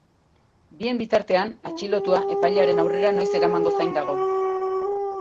Bien bitartean, atxilotua epailearen aurrera noiz eramango zain dago.